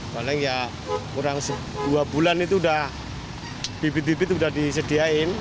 paling ya kurang dua bulan itu udah bibit bibit udah disediain